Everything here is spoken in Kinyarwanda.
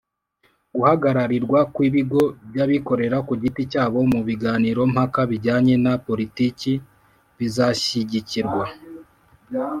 guhagararirwa kw'ibigo by'abikorera ku giti cyabo mu biganiro mpaka bijyanye na politiki bizashyigikirwa